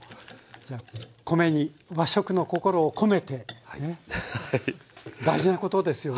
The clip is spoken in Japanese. じゃあ「米」に和食の心を「『こめ』て」。ねえ。大事なことですよね。